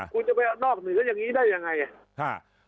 คุณจะไปนอกเหนืออย่างนี้ได้ยังไงอ่ะ